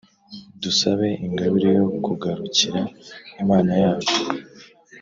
dusabe ingabire yo kugarukira imana yacu